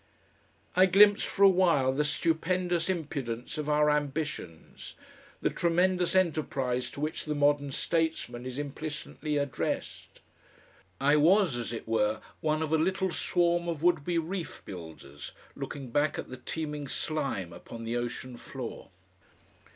I glimpsed for a while the stupendous impudence of our ambitions, the tremendous enterprise to which the modern statesman is implicitly addressed. I was as it were one of a little swarm of would be reef builders looking back at the teeming slime upon the ocean floor.